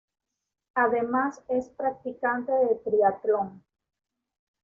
Además es practicante de triatlón.